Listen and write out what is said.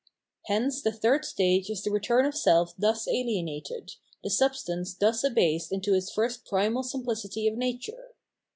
* Hence the third stage is the return of self thus alienated, the substance thus abased into its first primal simphcity of nature.